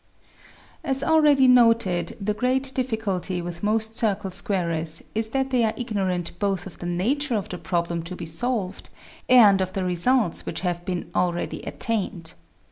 As already noted, the great difficulty with most circle squarers is that they are ignorant both of the nature of the problem to be solved and of the results which have been already attained.